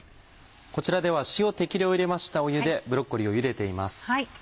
こちらでは塩適量を入れました湯でブロッコリーを茹でています。